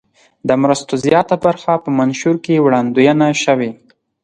د مرستو زیاته برخه په منشور کې وړاندوینه شوې.